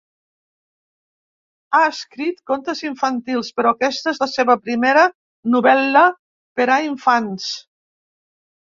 Ha escrit contes infantils, però aquesta és la seva primera novel·la per a infants.